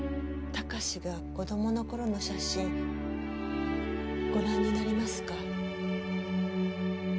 貴史が子供の頃の写真ご覧になりますか？